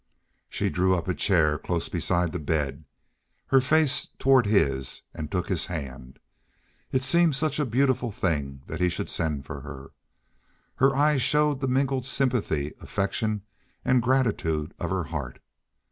She drew up a chair close beside the bed, her face toward his, and took his hand. It seemed such a beautiful thing that he should send for her. Her eyes showed the mingled sympathy, affection, and gratitude of her heart.